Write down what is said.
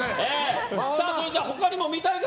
それじゃあ、他にも見たい方！